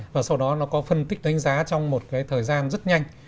và sau đó nó có phân tích đánh giá trong một cái thời gian rất nhanh